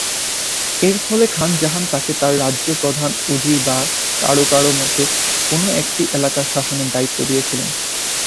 এর ফলে খান জাহান তাকে তার রাজ্যে প্রধান উজির বা কারো কারো মতে, কোন একটি এলাকার শাসনের দায়িত্ব দিয়েছিলেন।